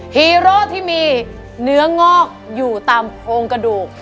ฮีโร่ที่มีเนื้องอกอยู่ตามโครงกระดูก